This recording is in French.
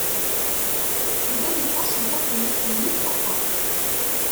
Ses habitants sont appelés les Lissacois.